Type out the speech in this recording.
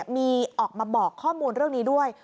มีออกมาบอกข้อมูลเรื่องนี้ด้วย